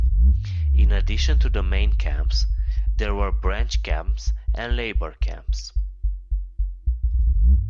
In addition to the main camps there were branch camps and labour camps.